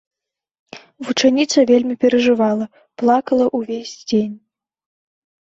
Вучаніца вельмі перажывала, плакала ўвесь дзень.